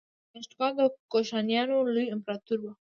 کنیشکا د کوشانیانو لوی امپراتور و